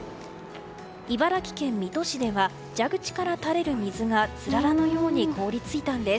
茨城県水戸市では蛇口から垂れる水がつららのように凍り付いたんです。